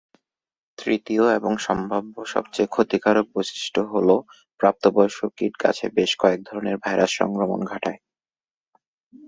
তৃতীয় এবং সম্ভাব্য সবচেয়ে ক্ষতিকারক বৈশিষ্ট্য হ'ল প্রাপ্তবয়স্ক কীট গাছে বেশ কয়েক ধরনের ভাইরাস সংক্রমণ ঘটায়।